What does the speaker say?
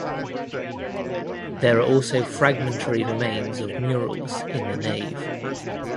There are also fragmentary remains of murals in the nave.